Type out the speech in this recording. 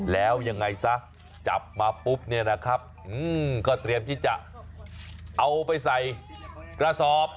แล้วยังไงซะจับมาปุ๊บเนี่ยนะครับก็เตรียมที่จะเอาไปใส่กระสอบ